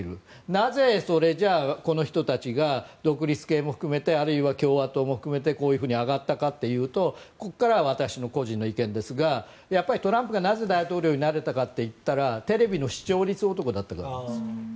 なぜ、それじゃあこの人たちが独立系も含めてあるいは共和党も含めてこう上がったかというとここからは私の個人の意見ですがなぜトランプが大統領になれたかといったらテレビの視聴率男だったからです。